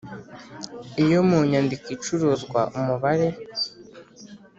Iyo mu nyandiko icuruzwa umubare